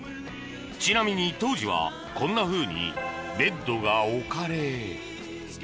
ちなみに当時はこんなふうにベッドが置かれ。